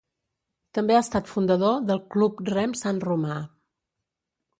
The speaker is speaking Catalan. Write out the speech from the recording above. També ha estat fundador del Club Rem Sant Romà.